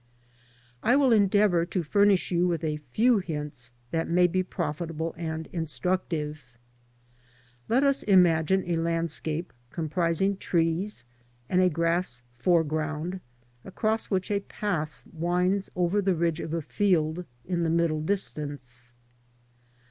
I will endeavour to furnish you with a few hints that may be profitable and instructive. Let us imagine a landscape comprising trees and a grass foreground, across which a path winds over the ridge of a field in the middle distance.